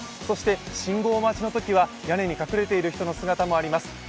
そして信号待ちのときは、屋根に隠れている人の姿もあります。